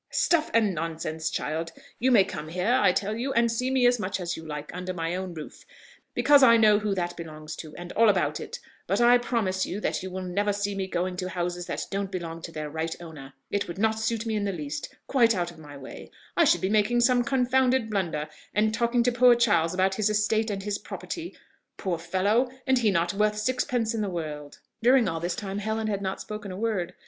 "Stuff and nonsense, child!... You may come here, I tell you, and see me as much as you like, under my own roof, because I know who that belongs to, and all about it; but I promise you that you will never see me going to houses that don't belong to their right owner, it would not suit me in the least quite out of my way; I should be making some confounded blunder, and talking to poor Charles about his estate and his property: poor fellow! and he not worth sixpence in the world." During all this time Helen had not spoken a word.